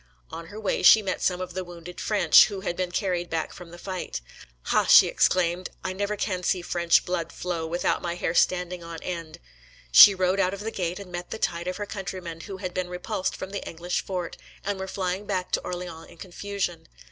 On her way she met some of the wounded French who had been carried back from the fight. "Ha," she exclaimed, "I never can see French blood flow, without my hair standing on end." She rode out of the gate, and met the tide of her countrymen, who had been repulsed from the English fort, and were flying back to Orleans in confusion.